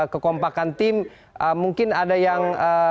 kekompakan tim mungkin ada yang